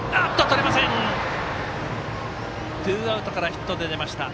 ツーアウトからヒットで出ました。